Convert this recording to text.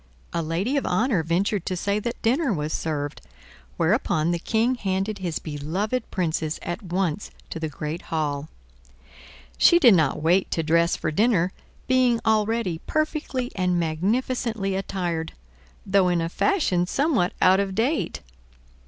A lady of honor ventured to say that dinner was served, whereupon the Prince handed his beloved Princess at once to the great hall. She did not wait to dress for dinner, being already perfectly and magnificently attired, though in a fashion somewhat out of date.